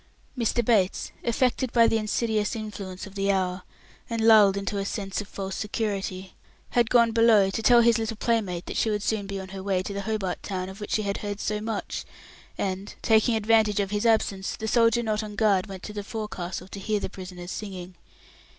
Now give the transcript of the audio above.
Mr. Bates, affected by the insidious influence of the hour, and lulled into a sense of false security, had gone below to tell his little playmate that she would soon be on her way to the Hobart Town of which she had heard so much; and, taking advantage of his absence, the soldier not on guard went to the forecastle to hear the prisoners singing.